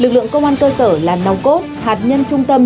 lực lượng công an cơ sở là nòng cốt hạt nhân trung tâm